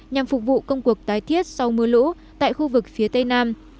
nhằm phục vụ công cuộc tái thiết sau mưa lũ tại khu vực phía tây nam